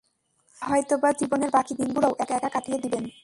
আর হয়তোবা জীবনের বাকী দিনগুলোও একা একা কাটিয়ে দিবেন।